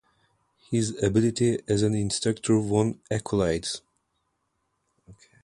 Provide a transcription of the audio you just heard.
His ability as an instructor won accolades.